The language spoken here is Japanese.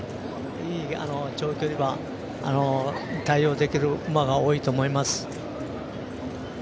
いい長距離馬、対応できる馬が多いと思います。